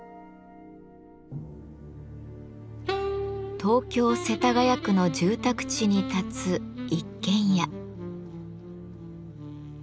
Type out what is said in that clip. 東京・世田谷区の住宅地に建つ一軒家。